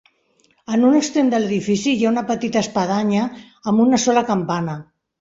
En un extrem de l'edifici hi ha una petita espadanya amb una sola campana.